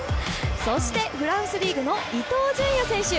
そして、フランスリーグの伊東純也選手。